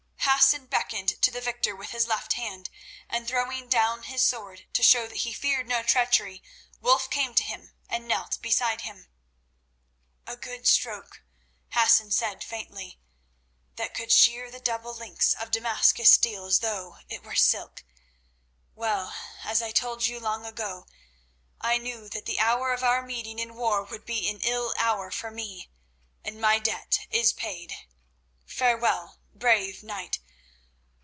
Hassan beckoned to the victor with his left hand, and throwing down his sword to show that he feared no treachery, Wulf came to him and knelt beside him. "A good stroke," Hassan said faintly, "that could shear the double links of Damascus steel as though it were silk. Well, as I told you long ago, I knew that the hour of our meeting in war would be an ill hour for me, and my debt is paid. Farewell, brave knight.